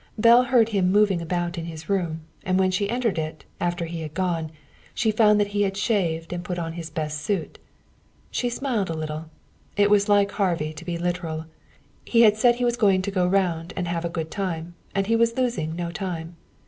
Belle heard him moving about in his room, and when she entered it, after he had gone, she found that he had shaved and put on his best suit. She smiled a little. It was like Harvey to be literal. He had said he was going to go round and have a good time, and he was losing no time.